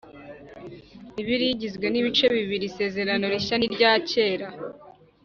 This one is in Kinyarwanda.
bibiliya igizwe nibice bibiri isezerano rishya ni rya kera